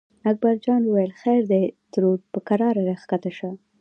اکبر جان وویل: خیر دی ترور په کراره راکښته شه.